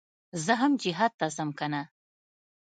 زه هم جهاد ته ځم کنه.